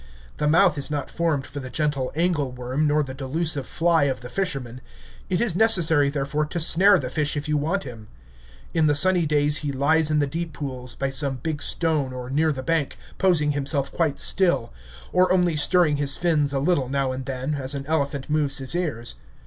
The mouth is not formed for the gentle angle worm nor the delusive fly of the fishermen. It is necessary, therefore, to snare the fish if you want him. In the sunny days he lies in the deep pools, by some big stone or near the bank, poising himself quite still, or only stirring his fins a little now and then, as an elephant moves his ears.